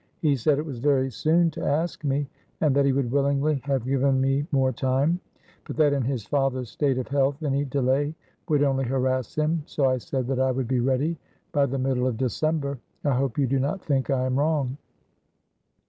He said it was very soon to ask me, and that he would willingly have given me more time, but that in his father's state of health any delay would only harass him, so I said that I would be ready by the middle of December. I hope you do not think I am wrong?"